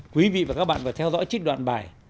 quý vị và các bạn vừa theo dõi trích đoạn bài